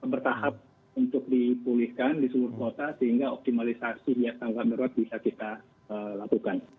bertahap untuk dipulihkan di seluruh kota sehingga optimalisasi biaya tanggal meruat bisa kita lakukan